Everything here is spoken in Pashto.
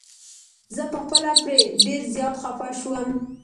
زه په خپله پرې ډير زيات خفه شوم.